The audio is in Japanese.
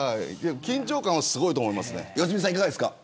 緊張感はすごいと思います。